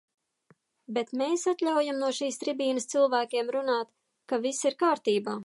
Bet mēs atļaujam no šīs tribīnes cilvēkiem runāt, ka viss ir kārtībā.